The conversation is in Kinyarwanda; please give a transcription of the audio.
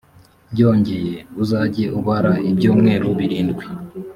byongeye, uzajye ubara ibyumweru birindwi: